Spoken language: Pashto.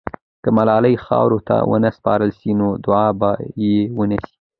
که ملالۍ خاورو ته ونه سپارل سي، نو دعا به یې ونسي.